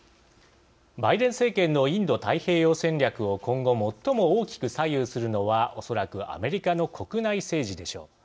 バイデン政権のインド太平洋戦略を今後、最も大きく左右するのはおそらくアメリカの国内政治でしょう。